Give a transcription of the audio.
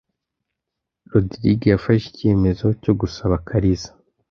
Rogride yafashe icyemezo cyo gusaba Kariza .